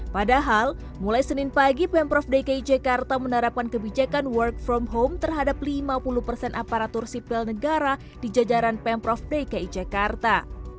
padahal mulai senin pagi pemprov dki jakarta menerapkan kebijakan work from home terhadap lima puluh persen aparatur sipil negara di jajaran pemprov dki jakarta